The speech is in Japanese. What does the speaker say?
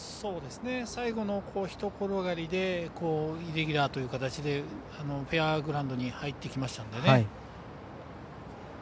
最後のひと転がりでイレギュラーという形でフェアグラウンドに入ってきましたので。